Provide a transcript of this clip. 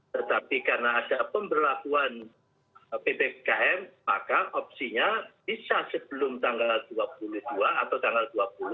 tetapi karena ada pemberlakuan ppkm maka opsinya bisa sebelum tanggal dua puluh dua atau tanggal dua puluh